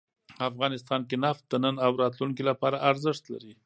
افغانستان کې نفت د نن او راتلونکي لپاره ارزښت لري.